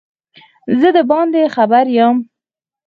زه دباندي خبر یم